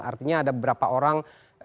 artinya ada beberapa orang